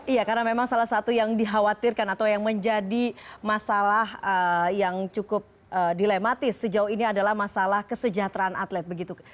iya karena memang salah satu yang dikhawatirkan atau yang menjadi masalah yang cukup dilematis sejauh ini adalah masalah kesejahteraan atlet begitu